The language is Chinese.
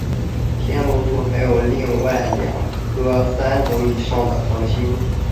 天龙座还有另外两颗三等以上的恒星。